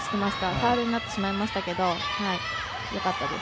ファウルになってしまいましたがよかったです。